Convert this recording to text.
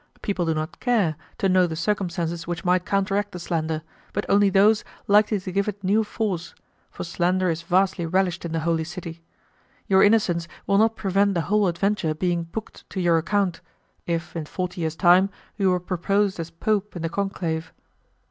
People do not care, to know the circumstances which might counteract the slander, but only those, likely to give it new force for slander is vastly relished in the Holy City. Your innocence will not prevent the whole adventure being booked to your account, if, in forty years time you were proposed as pope in the conclave."